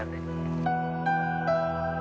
ya bu ja